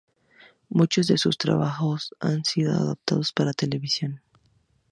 Muchos de sus trabajos han sido adaptados para televisión.